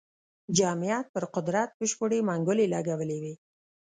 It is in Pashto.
جمعیت پر قدرت بشپړې منګولې لګولې وې.